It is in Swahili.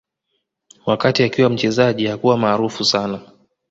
Wakati akiwa mchezaji hakuwa maarufu sana